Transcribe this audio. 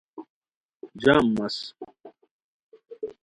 جم مس